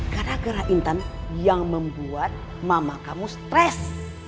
gara gara intan yang membuat mama kamu stres